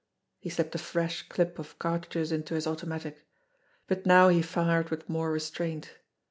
He slipped a fresh clip of cartridges into his automatic. But now he fired with more restraint.